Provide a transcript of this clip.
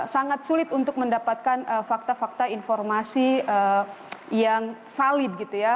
sangat sulit untuk mendapatkan fakta fakta informasi yang valid gitu ya